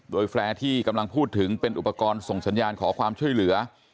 โดยแฟร์ที่กำลังพูดถึงเป็นอุปกรณ์ส่งสัญญาณขอความช่วยเหลือ